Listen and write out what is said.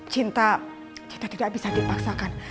cinta kita tidak bisa dipaksakan